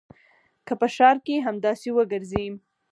که په ښار کښې همداسې وګرځې.